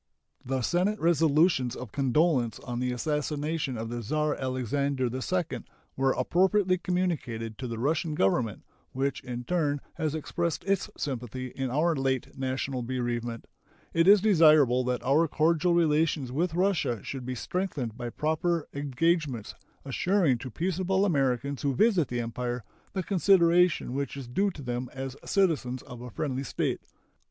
The Senate resolutions of condolence on the assassination of the Czar Alexander II were appropriately communicated to the Russian Government, which in turn has expressed its sympathy in our late national bereavement. It is desirable that our cordial relations with Russia should be strengthened by proper engagements assuring to peaceable Americans who visit the Empire the consideration which is due to them as citizens of a friendly state.